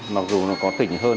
mặc dù nó có tỉnh hơn